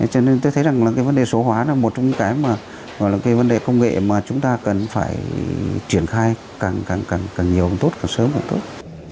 cho nên tôi thấy rằng vấn đề số hóa là một trong những vấn đề công nghệ mà chúng ta cần phải triển khai càng nhiều càng tốt càng sớm càng tốt